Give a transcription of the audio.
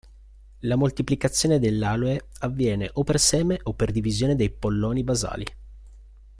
La moltiplicazione dell'Aloe avviene o per seme o per divisione dei polloni basali.